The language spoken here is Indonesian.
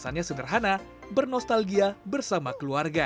alasannya sederhana bernostalgia bersama keluarga